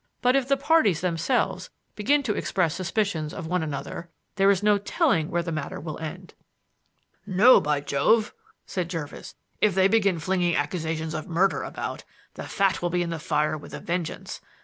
But if the parties themselves begin to express suspicions of one another there is no telling where the matter will end." "No, by Jove!" said Jervis. "If they begin flinging accusations of murder about, the fat will be in the fire with a vengeance.